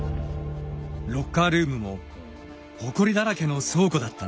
ロッカールームもほこりだらけの倉庫だったんです。